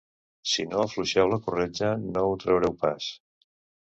Si no afluixeu la corretja no ho traureu pas.